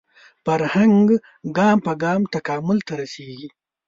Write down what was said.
فرهنګ ګام په ګام تکامل ته رسېږي